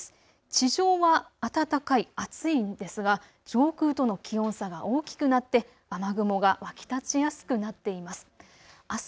地上は暖かい、暑いんですが上空との気温差が大きくなって雨雲が湧き立ちやすくなっています。